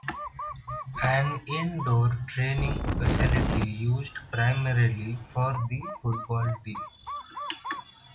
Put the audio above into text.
An indoor training facility used primarily for the football team.